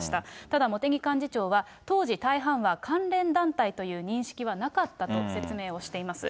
ただ、茂木幹事長は、当時、大半は関連団体という認識はなかったと説明をしています。